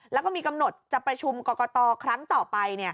แล้วก็มีกำหนดจะประชุมกรกตครั้งต่อไป